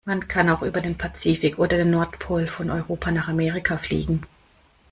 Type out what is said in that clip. Man kann auch über den Pazifik oder den Nordpol von Europa nach Amerika fliegen.